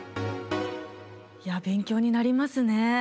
いや勉強になりますね。